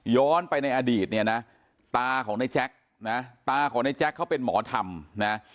ไปในอดีตเนี่ยนะตาของในแจ๊คนะตาของในแจ๊คเขาเป็นหมอธรรมนะ